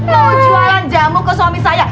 loh jualan jamu ke suami saya